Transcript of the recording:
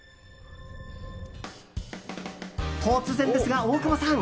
突然ですが、大久保さん。